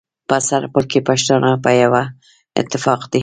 په سرپل کي پښتانه په يوه اتفاق دي.